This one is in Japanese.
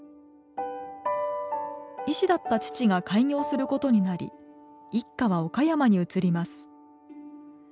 医師だった父が開業することになり一家は岡山に移ります。